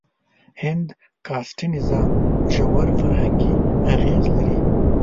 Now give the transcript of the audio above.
هند کاسټي نظام ژور فرهنګي اغېز لري.